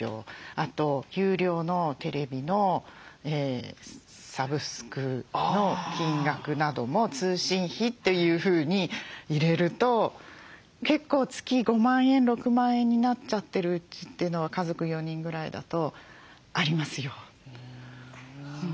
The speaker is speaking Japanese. あと有料のテレビのサブスクの金額なども通信費というふうに入れると結構月５万円６万円になっちゃってる家というのは家族４人ぐらいだとありますよ。